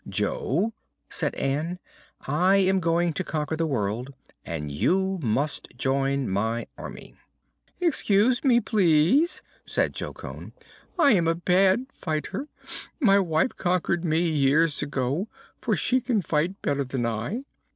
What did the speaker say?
"Jo," said Ann, "I am going to conquer the world, and you must join my Army." "Excuse me, please," said Jo Cone. "I am a bad fighter. My good wife conquered me years ago, for she can fight better than I.